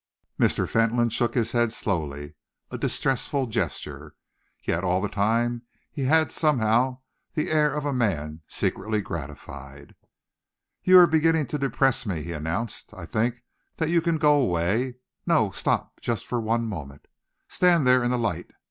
Mr. Fentolin shook his head slowly a distressful gesture. Yet all the time he had somehow the air of a man secretly gratified. "You are beginning to depress me," he announced. "I think that you can go away. No, stop for just one moment. Stand there in the light.